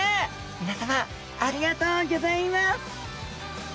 みなさまありがとうギョざいます！